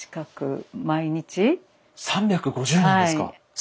３５０年ですか！